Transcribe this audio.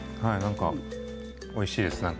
おいしいです。